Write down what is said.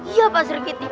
iya pak sri kitty